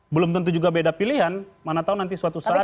belum tentu juga beda pilihan mana tahu nanti suatu saat